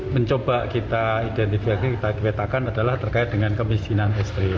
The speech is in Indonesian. mencoba kita identifikasi kita kebetakan adalah terkait dengan kemiskinan